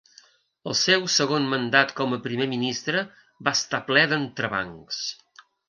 El seu segon mandat com a Primer Ministre va estar ple d'entrebancs.